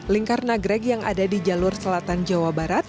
lingkar nagrek yang ada di jalur selatan jawa barat